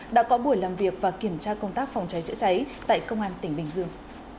đã có buổi làm việc và kiểm tra công tác phòng cháy chữa cháy tại công an tỉnh bình dương